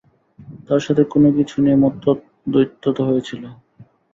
তার সাথে কোনও কিছু নিয়ে মতদ্বৈধতা হয়েছিল?